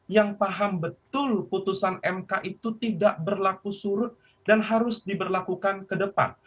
yang paham betul putusan mk itu tidak berlaku surut dan harus diberlakukan ke depan